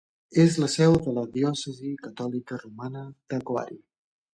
És la seu de la diòcesi catòlica romana de Coari.